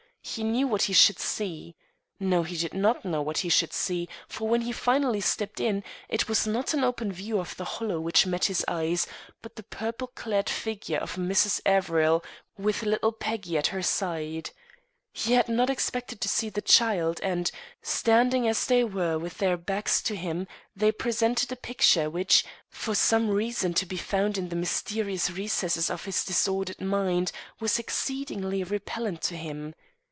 He knew what he should see No, he did not know what he should see, for when he finally stepped in, it was not an open view of the Hollow which met his eyes, but the purple clad figure of Mrs. Averill with little Peggy at her side. He had not expected to see the child, and, standing as they were with their backs to him, they presented a picture which, for some reason to be found in the mysterious recesses of his disordered mind, was exceedingly repellent to him.